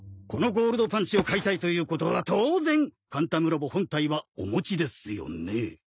このゴールドパンチを買いたいということは当然カンタムロボ本体はお持ちですよね？